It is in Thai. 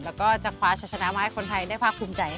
แล้วก็จะคว้าชะชนะมาให้คนไทยได้ภาคภูมิใจ